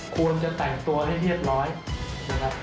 ควรจะแต่งตัวให้เรียบร้อยนะครับ